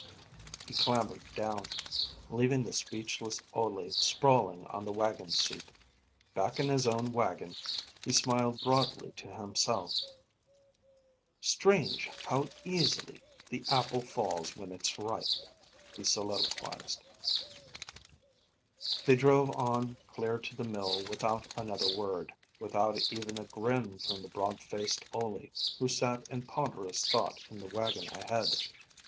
'" He clambered down, leaving the speechless Ole sprawling on the wagon seat. Back in his own wagon, he smiled broadly to himself. "Strange, how easily the apple falls when it's ripe," he soliloquized. They drove on clear to the mill without another word; without even a grin from the broad faced Ole, who sat in ponderous thought in the wagon ahead.